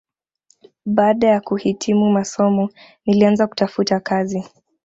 Baada ya kuhitimu masomo nilianza kutafuta kazi